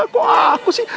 kok aku sih